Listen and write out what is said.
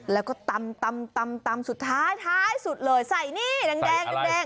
แล้วก็ตำสุดท้ายท้ายสุดเลยใส่นี่แดงแดง